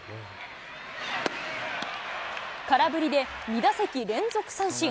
空振りで、２打席連続三振。